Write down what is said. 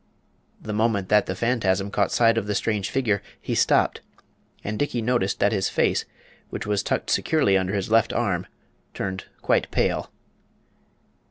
The moment that the Fantasm caught sight of the strange figure he stopped, and Dickey noticed that his face, which was tucked securely under his left arm, turned quite pale.